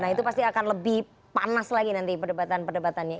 nah itu pasti akan lebih panas lagi nanti perdebatan perdebatannya